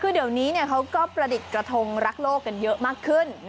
คือเดี๋ยวนี้เขาก็ประดิษฐ์กระทงรักโลกกันเยอะมากขึ้น